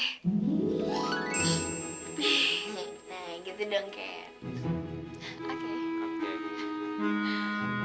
nah gitu dong ken